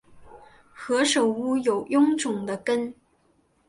何首乌有臃肿的根